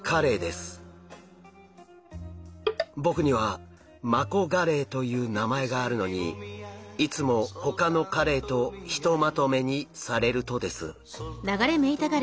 僕にはマコガレイという名前があるのにいつもほかのカレイとひとまとめにされるとです。